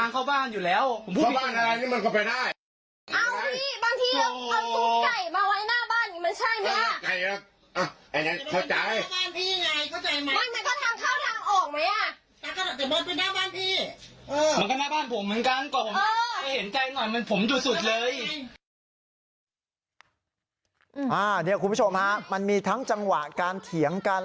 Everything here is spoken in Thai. คุณผู้ชมฮะมันมีทั้งจังหวะการเถียงกัน